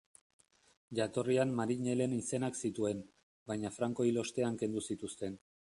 Jatorrian marinelen izenak zituen, baina Franco hil ostean kendu zituzten.